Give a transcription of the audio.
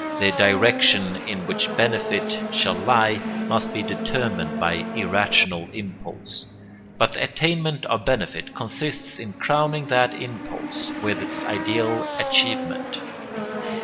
The direction in which benefit shall lie must be determined by irrational impulse, but the attainment of benefit consists in crowning that impulse with its ideal achievement.